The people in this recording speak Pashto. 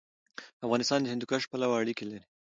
افغانستان د هندوکش پلوه اړیکې لري.